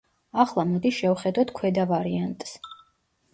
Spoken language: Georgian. ახლა მოდი შევხედოთ ქვედა ვარიანტს.